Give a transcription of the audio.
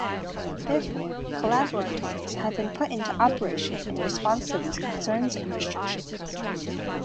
Therefore, collaboratories have been put into operation in response to these concerns and restrictions.